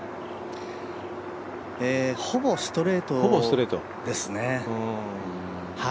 ほぼストレートですね。